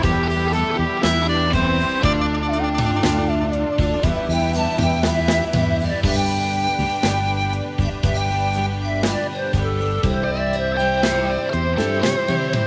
กั่นไดแพงมาก